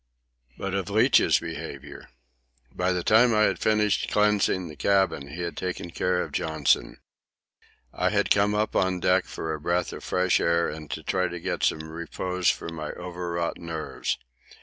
But of Leach's behaviour—By the time I had finished cleansing the cabin he had taken care of Johnson. I had come up on deck for a breath of fresh air and to try to get some repose for my overwrought nerves.